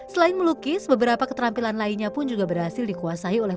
selain melukis beberapa keterampilan lainnya pun juga berhasil dikuasai oleh